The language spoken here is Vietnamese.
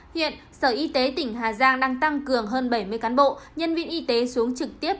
hiện sở y tế tỉnh hà giang đang tăng cường hơn bảy mươi cán bộ nhân viên y tế xuống trực tiếp